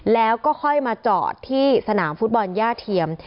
แล้วก็ค่อยมาจอดที่สนามฟุตบอลย่าเทียม